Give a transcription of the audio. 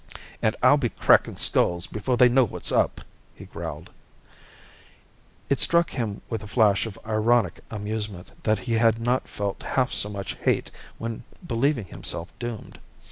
"And I'll be cracking skulls before they know what's up!" he growled. It struck him with a flash of ironic amusement that he had not felt half so much hate when believing himself doomed.